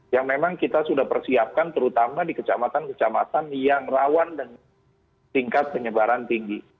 yang memang kita sudah persiapkan terutama di kecamatan kecamatan yang rawan dengan tingkat penyebaran tinggi